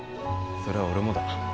それは俺もだ。